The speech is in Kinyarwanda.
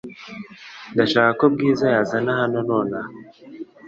Ndashaka ko Bwiza yazana hano nonaha .